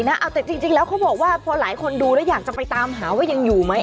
เอาแต่จริงแล้วเขาบอกว่าพอหลายคนดูแล้วอยากจะไปตามหาว่ายังอยู่ไหม